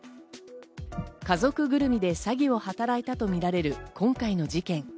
家族ぐるみで詐欺を働いたとみられる今回の事件。